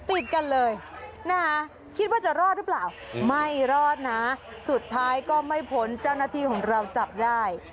ติดกันเลยนะคะคิดว่าจะรอดหรือเปล่าไม่รอดนะสุดท้ายก็ไม่พ้นเจ้าหน้าที่ของเราจับได้